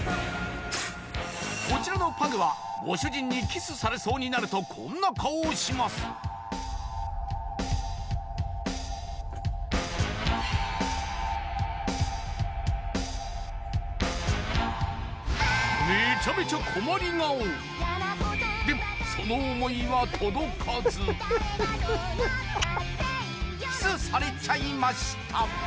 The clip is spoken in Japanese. こちらのパグはご主人にキスされそうになるとこんな顔をしますめちゃめちゃでもそのキスされちゃいました